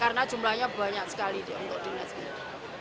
karena jumlahnya banyak sekali untuk dinas pendidikan